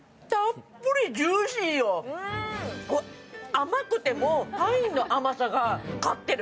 甘くて、パインの甘さが勝ってる。